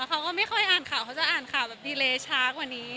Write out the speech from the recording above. พี่พ่อหัวก็ไม่ค่อยอ่านข่าวเค้าอ่านข่าวแบบดีเรย์ช้ากว่านี้